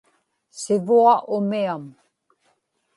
sivua umiam